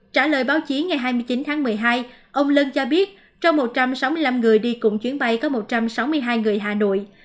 trả lời báo chí ngày hai mươi chín tháng một mươi hai ông lân cho biết trong một trăm sáu mươi năm người đi cùng chuyến bay có một trăm sáu mươi hai người hà nội